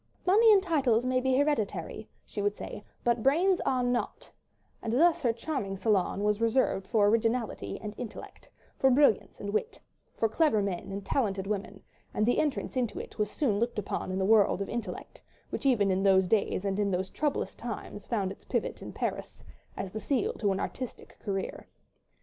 "Money and titles may be hereditary," she would say, "but brains are not," and thus her charming salon was reserved for originality and intellect, for brilliance and wit, for clever men and talented women, and the entrance into it was soon looked upon in the world of intellect—which even in those days and in those troublous times found its pivot in Paris—as the seal to an artistic career.